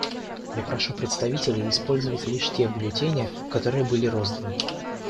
Я прошу представителей использовать лишь те бюллетени, которые были розданы.